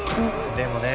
でもね